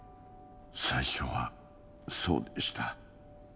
最初はそうでした。